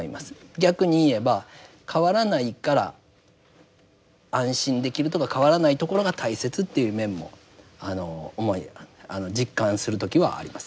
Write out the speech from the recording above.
逆に言えば変わらないから安心できるとか変わらないところが大切っていう面も実感する時はあります。